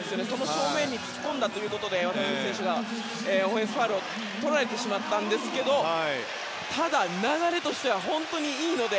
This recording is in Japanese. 正面に突っ込んだということで渡邊選手がオフェンスファウルをとられてしまったんですけど流れとしてはいいので。